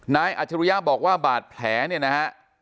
อัจฉริยะบอกว่าบาดแผลเนี่ยนะฮะ